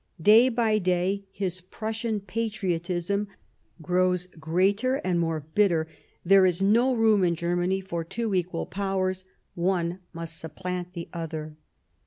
Day by day his Prussian patriotism grows greater and more bitter ; there is no room in Germany for two equal Powers — one must supplant the other.